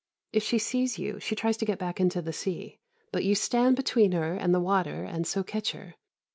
If she sees you, she tries to get back into the sea, but you stand between her and the water and so catch her.